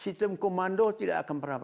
jadi sistem komando tidak akan berbahaya